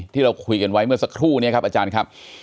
ที่เราคุยกันไว้เมื่อสักครู่นี้ครับอาจารย์ครับ